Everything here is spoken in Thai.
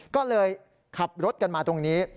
ก็เลยขับรถกันมาตรงนี้